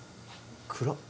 暗っ。